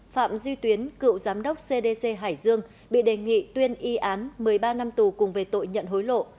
phạm duy tuyến cựu giám đốc cdc hải dương bị đề nghị tuyên y án một mươi ba năm tù cùng về tội nhận hối lộ